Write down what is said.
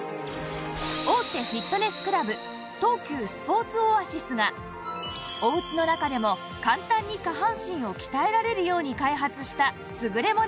大手フィットネスクラブ東急スポーツオアシスがお家の中でも簡単に下半身を鍛えられるように開発した優れもの